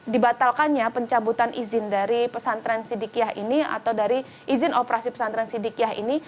dibatalkannya pencabutan izin dari pesantren sidikiah ini atau dari izin operasi pesantren sidikiah ini